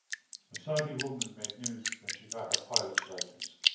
A Saudi woman made news, when she got her pilot's licence.